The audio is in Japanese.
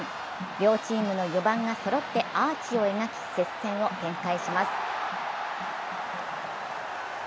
両チームの４番がそろってアーチを描き、接戦を展開します。